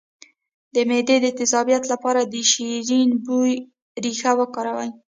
د معدې د تیزابیت لپاره د شیرین بویې ریښه وکاروئ